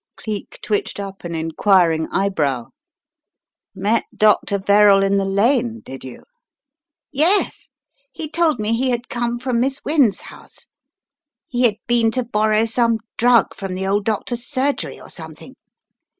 Cleek twitched up an enquiring eyebrow. "Met Dr. Verrall in the lane, did you?" "Yes. He told me he had come from Miss Wynne's house, he had been to borrow some drug «5 Tis a Mad World, My Masters 99 247 from the old doctor's surgery or something.